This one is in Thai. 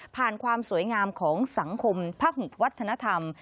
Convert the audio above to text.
ผ่านความสวยงามของสังคมพระหุทธวัฒนธรรม